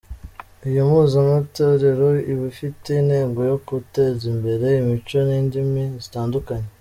" Iyo mpuzamatorero iba ifite intego yo guteza imbere imico n’indimi zitandukanaye.